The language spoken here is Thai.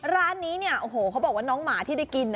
ร้านนี้เนี่ยโอ้โหเขาบอกว่าน้องหมาที่ได้กิน